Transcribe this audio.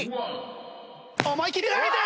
思い切って投げた！